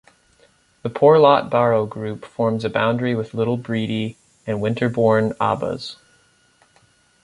The Poor Lot barrow group forms a boundary with Littlebredy and Winterbourne Abbas.